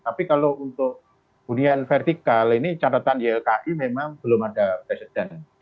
tapi kalau untuk hunian vertikal ini catatan ylki memang belum ada presiden